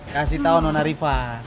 kasih tau nona riva